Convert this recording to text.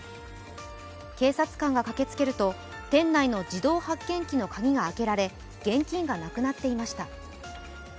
警察官が駆けつけると、店内の自動発券機の鍵が開けられ、現金がなくなっていました。